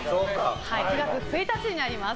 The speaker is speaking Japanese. ９月１日になります。